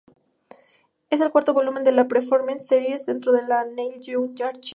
Es el cuarto volumen de la Performance Series dentro de los Neil Young Archives.